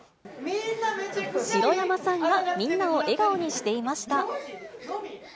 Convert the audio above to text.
白山さんがみんなを笑顔にしていました。